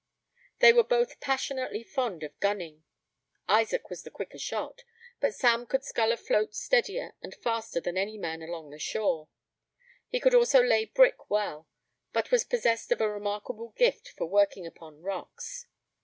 They were both passionately fond of gunning. Isaac was the quicker shot; but Sam could scull a float steadier and faster than any man along the shore. He could also lay brick well, but was possessed of a remarkable gift for working upon rocks.